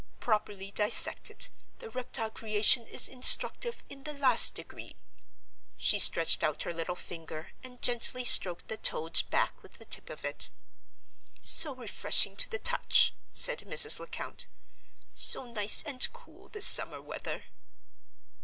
Properly dissected, the reptile creation is instructive in the last degree." She stretched out her little finger, and gently stroked the toad's back with the tip of it. "So refreshing to the touch," said Mrs. Lecount—"so nice and cool this summer weather!"